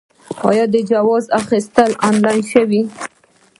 آیا د جواز اخیستل آنلاین شوي؟